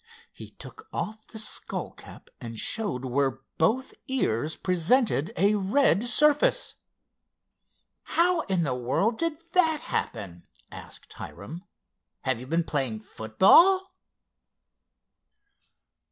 He took off the skull cap and showed where both ears presented a red surface. "How in the world did that happen?" asked Hiram. "Have you been playing football?"